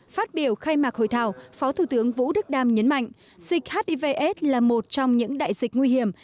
phát biểu khai mạc hội thảo phó thủ tướng vũ đức đam nhấn mạnh dịch hivs là một trong những đại dịch nguy hiểm